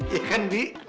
iya kan bi